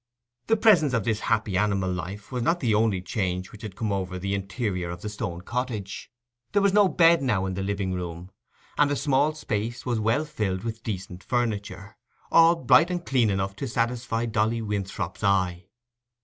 The presence of this happy animal life was not the only change which had come over the interior of the stone cottage. There was no bed now in the living room, and the small space was well filled with decent furniture, all bright and clean enough to satisfy Dolly Winthrop's eye.